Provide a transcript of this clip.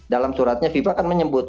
dalam suratnya fifa akan menyebut